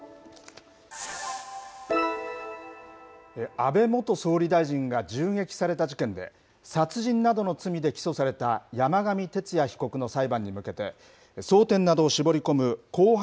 安倍元総理大臣が殺人などの罪で起訴された山上徹也被告の裁判に向けて、争点などを絞り込む公判